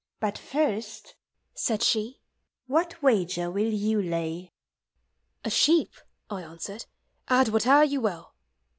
Kui first, said she, what wager will yon lay? A sheep, 1 answered, add whateer you will.